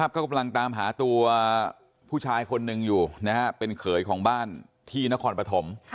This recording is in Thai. ก็กำลังตามหาตัวผู้ชายคนหนึ่งอยู่เป็นเขยของบ้านที่นครปฐม